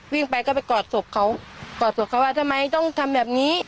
วิ่งไปก็ไปกอดศพเขากอดศพเขาว่าทำไมต้องทำแบบนี้